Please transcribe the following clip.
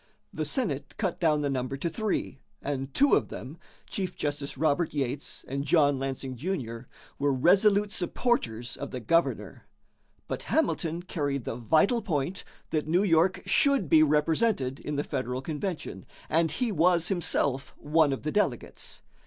The Senate cut down the number to three, and two of them Chief Justice Robert Yates and John Lansing, Jr. were resolute supporters of the governor; but Hamilton carried the vital point that New York should be represented in the Federal Convention, and he was himself one of the delegates.